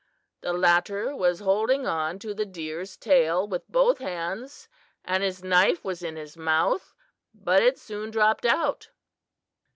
The latter was holding on to the deer's tail with both hands and his knife was in his mouth, but it soon dropped out.